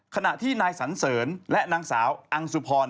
ขณะที่นายสันเสริญและนางสาวอังสุพร